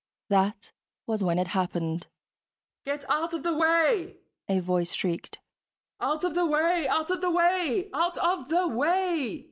That was when it happened. "Get out of the way!" a voice shrieked "out of the way, out of the way, OUT OF THE WAY!"